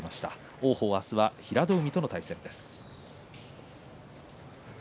王鵬は明日は平戸海との対戦です。